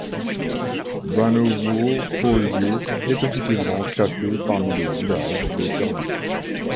Banovo Polje est officiellement classé parmi les villages de Serbie.